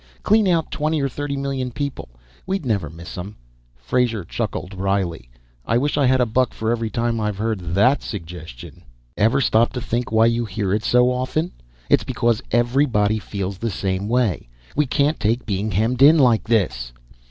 Clean out twenty or thirty million people. We'd never miss 'em." Frazer chuckled wryly. "I wish I had a buck for every time I've heard that suggestion." "Ever stop to think why you hear it so often? It's because everybody feels the same way we can't take being hemmed in like this."